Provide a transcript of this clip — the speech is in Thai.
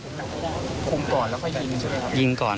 ก็คือยิงเลย